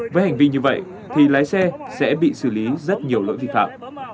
với hành vi như vậy thì lái xe sẽ bị xử lý rất nhiều lỗi vi phạm